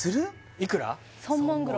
いくら？